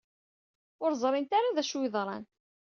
Ur ẓrint ara d acu ay yeḍran.